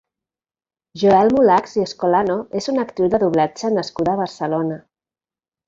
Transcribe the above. Joël Mulachs i Escolano és una actriu de doblatge nascuda a Barcelona.